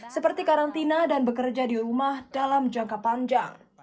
seperti karantina dan bekerja di rumah dalam jangka panjang